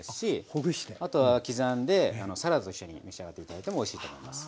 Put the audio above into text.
あとは刻んでサラダと一緒に召し上がって頂いてもおいしいと思います。